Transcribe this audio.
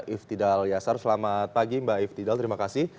iftidal yasar selamat pagi mbak iftidal terima kasih